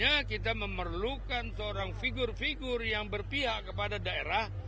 artinya kita memerlukan seorang figur figur yang berpihak kepada daerah